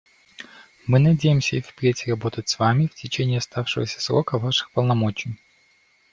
Мы надеемся и впредь работать с Вами в течение оставшегося срока Ваших полномочий.